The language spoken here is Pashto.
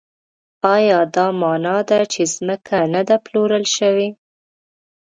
ایا دا مانا ده چې ځمکه نه ده پلورل شوې؟